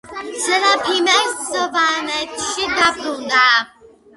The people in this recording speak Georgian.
სერაფიმე სავანეში დაბრუნდა.